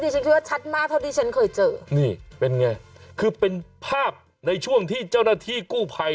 ฉันคิดว่าชัดมากเท่าที่ฉันเคยเจอนี่เป็นไงคือเป็นภาพในช่วงที่เจ้าหน้าที่กู้ภัย